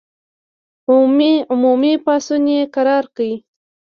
عمومي پاڅون یې کرار کړ.